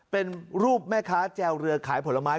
เป็นรูปแม่ค้าแจวเรือขายผลไม้